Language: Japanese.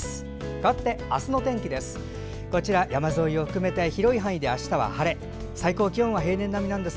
かわって明日の天気です。